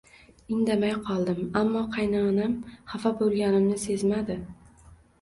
Indamay qoldim, ammo qaynonam xafa bo`lganimni sezmadi